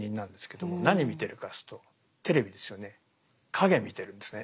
影見てるんですね。